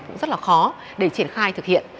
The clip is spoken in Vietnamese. cũng rất là khó để triển khai thực hiện